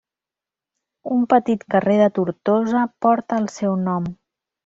Un petit carrer de Tortosa porta el seu nom.